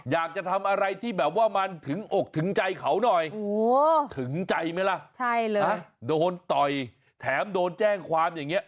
อยากจะทำอะไรที่แบบว่ามันถึงอกถึงใจเขาหน่อย